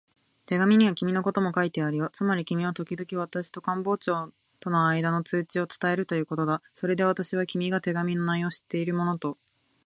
手紙には君のことも書いてあるよ。つまり君はときどき私と官房長とのあいだの通知を伝えるということだ。それで私は、君が手紙の内容を知っているものと